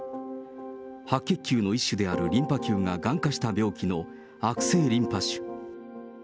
白血球の一種であるリンパ球ががん化した病気の悪性リンパ腫。